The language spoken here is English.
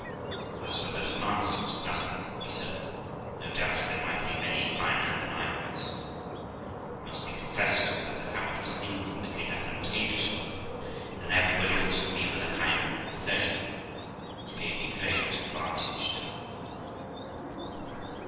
As for those masked, nothing could be said *f them, no doubt there 30O THE LIFE OF ROXANA might be many finer than I was ; it must be confessed that the habit was infinitely advantageous to me, and everybody looked at me with a kind of pleasure, which gave me great advantage too.